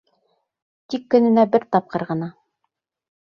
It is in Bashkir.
Тик көнөнә бер тапҡыр ғына.